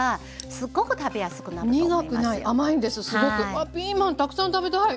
わっピーマンたくさん食べたい！